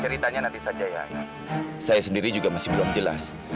ceritanya nanti saja ya saya sendiri juga masih belum jelas